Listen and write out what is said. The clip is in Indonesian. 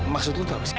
maksud lo itu apa sih